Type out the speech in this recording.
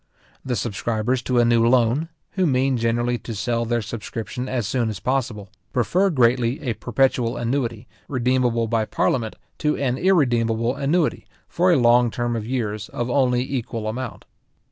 The subscribers to a new loan, who mean generally to sell their subscription as soon as possible, prefer greatly a perpetual annuity, redeemable by parliament, to an irredeemable annuity, for a long term of years, of only equal amount.